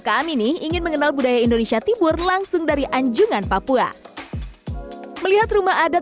kami nih ingin mengenal budaya indonesia tibur langsung dari anjungan papua melihat rumah adat